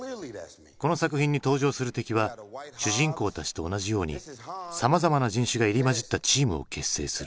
この作品に登場する敵は主人公たちと同じようにさまざまな人種が入り交じったチームを結成する。